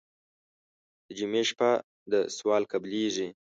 د جمعې شپه ده سوال قبلېږي.